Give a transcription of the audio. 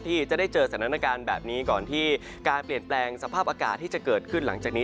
ที่จะได้เจอสถานการณ์แบบนี้ก่อนที่การเปลี่ยนแปลงสภาพอากาศที่จะเกิดขึ้นหลังจากนี้